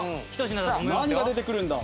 さあ何が出てくるんだ？